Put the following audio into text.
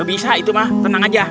bisa itu mah tenang aja